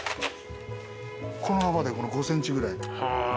この幅だよ５ｃｍぐらい。